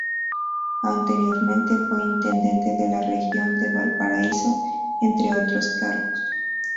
Anteriormente fue intendente de la Región de Valparaíso, entre otros cargos.